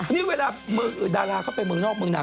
นี่เวลาดาราเข้าไปเมืองนอกเมืองนา